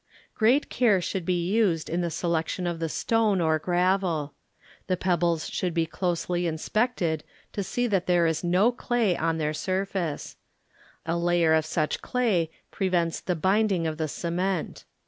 Great care should be used in the selection of the stone or gravel. The pebbles should be closely mspected to see that there is no clay on their sur face. A layer of such clay prevents the "binding'' of the cement.